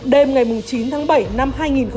đêm ngày chín tháng bảy năm hai nghìn hai mươi